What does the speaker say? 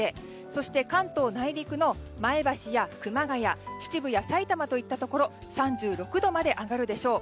そして、関東内陸の前橋、熊谷秩父や埼玉といったところは３６度まで上がるでしょう。